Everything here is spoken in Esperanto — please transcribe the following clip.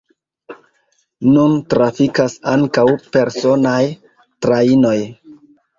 Nun trafikas ankaŭ personaj trajnoj.